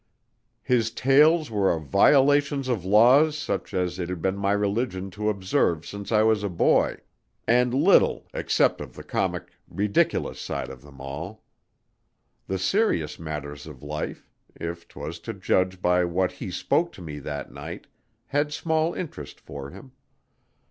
His tales were of violations of laws such as it had been my religion to observe since I was a boy, and little except of the comic, ridiculous side of them all. The serious matters of life, if 'twas to judge by what he spoke to me that night, had small interest for him.